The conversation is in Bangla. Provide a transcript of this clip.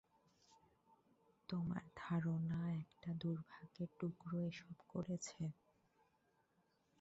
তোমার ধারণা একটা দুর্ভাগ্যের টুকরো এসব করেছে?